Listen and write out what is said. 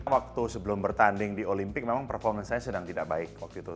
waktu sebelum bertanding di olimpik memang performance saya sedang tidak baik waktu itu